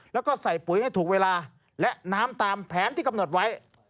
แล้วก็ใส่ปุ๋ยให้ถูกเวลาและน้ำตามแผนที่กำหนดไว้